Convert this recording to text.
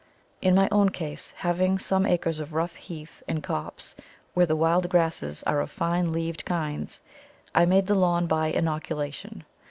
In my own case, having some acres of rough heath and copse where the wild grasses are of fine leaved kinds, I made the lawn by inoculation.